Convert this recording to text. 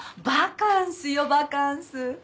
バカンスよバカンス。